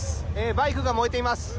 バイクが燃えています。